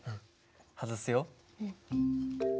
外すよ。